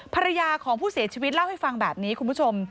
ภรรยาของผู้เสียชีวิตเล่าให้ฟังแบบนี้คุณผู้ชม